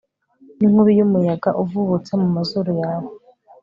n'inkubi y'umuyaga uvubutse mu mazuru yawe